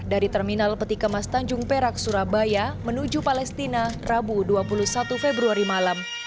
dari terminal peti kemas tanjung perak surabaya menuju palestina rabu dua puluh satu februari malam